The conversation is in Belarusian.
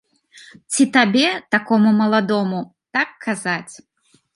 Ці табе, такому маладому, так казаць!